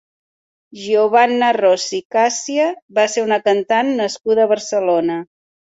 Giovanna Rossi-Caccia va ser una cantant nascuda a Barcelona.